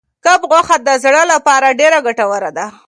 کب غوښه د زړه لپاره ډېره ګټوره ده.